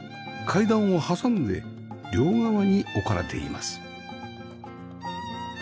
階段を挟んで両側に置かれています